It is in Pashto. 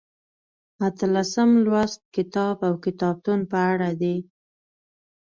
اتلسم لوست کتاب او کتابتون په اړه دی.